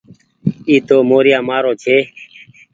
اي تو موريآ مآرو ڇي۔